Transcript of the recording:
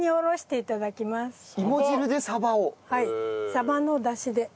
サバの出汁で。